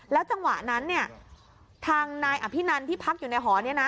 จังหวะนั้นเนี่ยทางนายอภินันที่พักอยู่ในหอนี้นะ